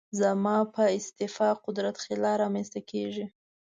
زما په استعفا قدرت خلا رامنځته کېږي.